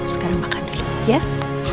sekarang makan dulu yes